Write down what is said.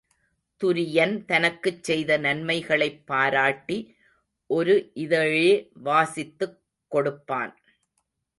துரியன் தனக்குச் செய்த நன்மைகளைப் பாராட்டி ஒரு இதழே வாசித்துக் கொடுப்பான்.